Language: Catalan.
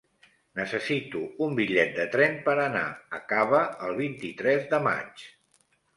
Necessito un bitllet de tren per anar a Cava el vint-i-tres de maig.